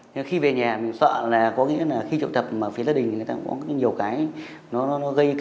nhưng tôi cũng nắm mắt được cái việc